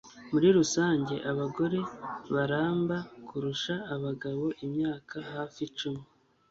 Muri rusange abagore baramba kurusha abagabo imyaka hafi icumi